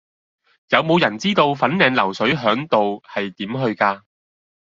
有無人知道粉嶺流水響道係點去㗎